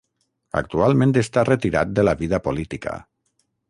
Actualment està retirat de la vida política.